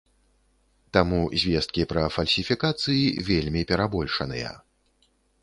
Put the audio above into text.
Таму звесткі пра фальсіфікацыі вельмі перабольшаныя.